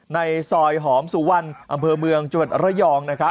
ในซอยหอมสุวรรณอำเภอเมืองจังหวัดระยอง